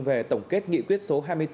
về tổng kết nghị quyết số hai mươi bốn